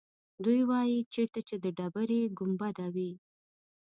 دوی وایيچېرته چې د ډبرې ګنبده ده.